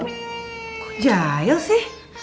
kok jahil sih